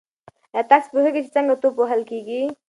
ایا تاسي پوهېږئ چې څنګه توپ وهل کیږي؟